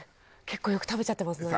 結構よく食べちゃってますね。